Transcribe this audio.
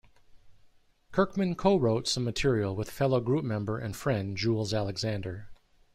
Kirkman co-wrote some material with fellow group member and friend Jules Alexander.